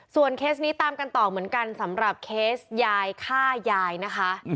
ส่วนเคสตามกันต่อสำหรับเคสยายฆ่ายายนะคะ